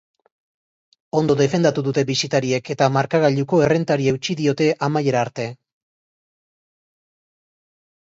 Ondo defendatu dute bisitariek, eta markagailuko errentari eutsi diote amaiera arte.